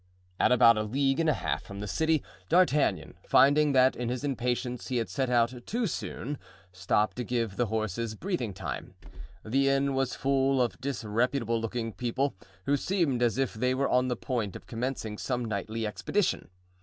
At about a league and a half from the city, D'Artagnan, finding that in his impatience he had set out too soon, stopped to give the horses breathing time. The inn was full of disreputable looking people, who seemed as if they were on the point of commencing some nightly expedition.